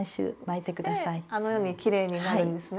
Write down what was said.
してあのようにきれいになるんですね。